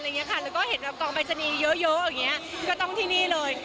แล้วก็เห็นเกาะกองใบชะนีเยอะก็ต้องที่นี่เลย